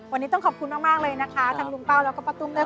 วันนี้ต้องขอบคุณมากเลยนะคะทั้งลุงเป้าแล้วก็ป้าตุ้มนะคะ